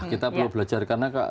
kita perlu belajar